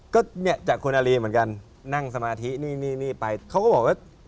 ก็เนี่ยจากคุณอารีเหมือนกันนั่งสมาธินี่นี่ไปเขาก็บอกว่า